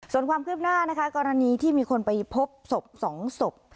ส่วนความคืบหน้านะคะกรณีที่มีคนไปพบศพ๒ศพ